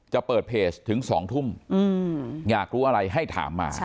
จะเปิดเพจถึง๒ทุ่มอยากรู้อะไรให้ถามมา